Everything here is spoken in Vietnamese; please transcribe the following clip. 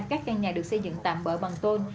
các căn nhà được xây dựng tạm bỡ bằng tôn